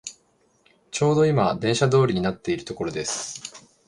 ちょうどいま電車通りになっているところです